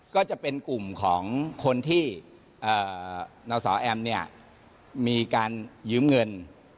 ก็จะเป็นกลุ่มของคนที่นสแอมเนี่ยมีการยืมเงิน